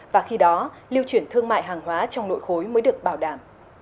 và khi đó lưu chuyển thương mại hàng hóa trong nội khối mới được bảo đảm